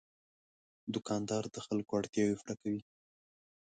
دوکاندار د خلکو اړتیاوې پوره کوي.